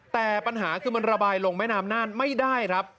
แต่ปัญหาคือมันระบายลงแม่น้ำน่านไม่ได้ครับ